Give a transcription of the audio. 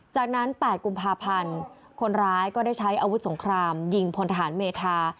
จากนั้น๘กุมภาพันธ์คนร้ายก็ได้ใช้อาวุธสงครามยิงพลทหารเมธา